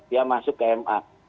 dia masuk ke ma